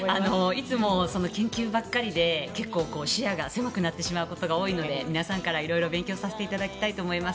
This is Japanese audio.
いつも研究ばかりで結構、視野が狭くなってしまうことが多いので皆さんから色々勉強させていただきたいと思います。